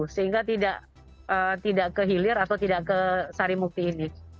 sehingga tidak kehilir atau tidak ke sarimukti ini